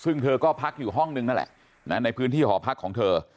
ซึ่งเธอก็พักอยู่ห้องนึงนั่นแหละในพื้นที่หอพักของเธอ